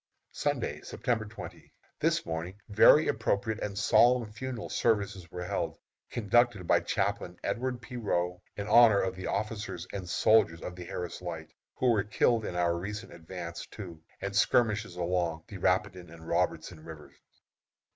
Sunday, September 20. This morning very appropriate and solemn funeral services were held, conducted by Chaplain Edward P. Roe, in honor of the officers and soldiers of the Harris Light, who were killed in our recent advance to, and skirmishes along, the Rapidan and Robertson Rivers.